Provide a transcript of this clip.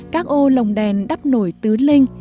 các ô lồng đèn đắp nổi tứ linh